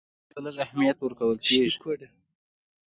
یا ورته لږ اهمیت ورکول کېږي.